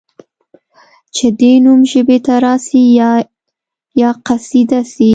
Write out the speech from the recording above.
چي دي نوم ژبي ته راسي یا یا قصیده سي